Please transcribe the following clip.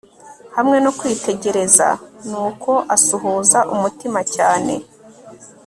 Hamwe no kwitegereza nuko asuhuza umutima cyane